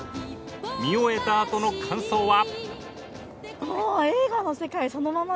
見終えたあとの感想は？